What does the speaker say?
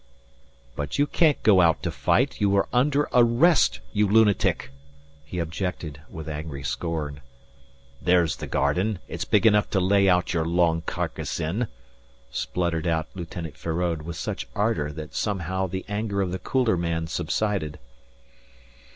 "But you can't go out to fight; you are under arrest, you lunatic," he objected, with angry scorn. "There's the garden. It's big enough to lay out your long carcass in," spluttered out Lieutenant Feraud with such ardour that somehow the anger of the cooler man subsided.